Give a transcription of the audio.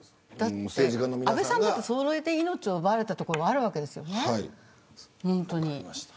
安倍さんだってそれで命を奪われたところがあるわけですよね、本当に。